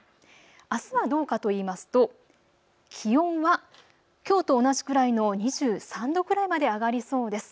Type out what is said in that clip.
あすはどうかといいますと気温はきょうと同じくらいの２３度くらいまで上がりそうです。